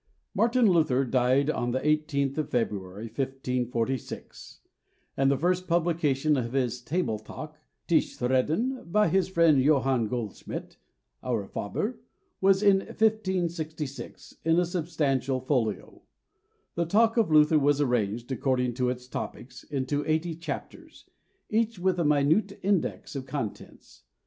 MARTIN LUTHER died on the 18th of February, 1546, and the first publication of his "Table Talk"—Tischreden—by his friend, Johann Goldschmid (Aurifaber), was in 1566, in a substantial folio. The talk of Luther was arranged, according to its topics, into eighty chapters, each with a minute index of contents.